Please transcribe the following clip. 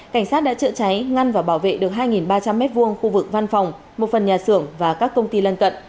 cảnh sát đã chữa cháy ngăn và bảo vệ được hai ba trăm linh m hai khu vực văn phòng một phần nhà xưởng và các công ty lân cận